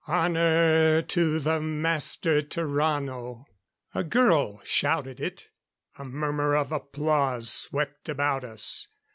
"Honor to the Master Tarrano!" A girl shouted it. A murmur of applause swept about us.